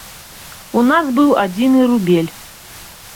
У нас быў адзіны рубель.